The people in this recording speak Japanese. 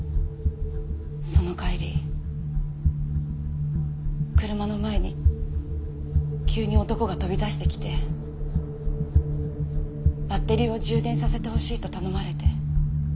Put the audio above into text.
その帰り車の前に急に男が飛び出してきてバッテリーを充電させてほしいと頼まれて。